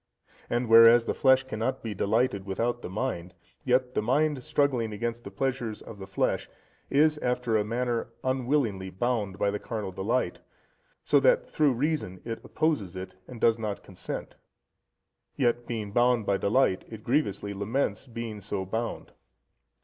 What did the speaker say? And whereas the flesh cannot be delighted without the mind, yet the mind struggling against the pleasures of the flesh, is after a manner unwillingly bound by the carnal delight, so that through reason it opposes it, and does not consent, yet being bound by delight, it grievously laments being so bound.